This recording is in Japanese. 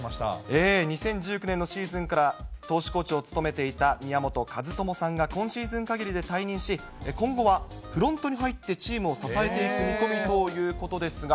ー２０１９年のシーズンから投手コーチを務めていた宮本和知さんが今シーズンかぎりで退任し、今後はフロントに入って、チームを支えていく見込みということですが。